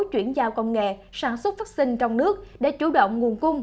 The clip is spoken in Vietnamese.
chuyển giao công nghệ sản xuất vaccine trong nước để chủ động nguồn cung